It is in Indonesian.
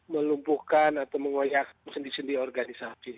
menumpuhkan atau mengoyak sendi sendi organisasi